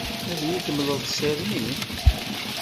Ad yi-d-temleḍ sser-nni?